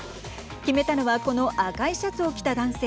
決めたのはこの赤いシャツを着た男性。